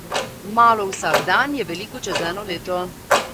Malo vsak dan je veliko čez eno leto.